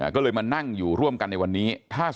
ก็เลยมานั่งอยู่ร่วมกันในวันนี้